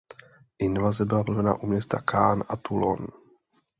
Invaze byla provedena u měst Cannes a Toulon.